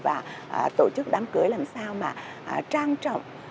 và tổ chức đám cưới làm sao mà trang trọng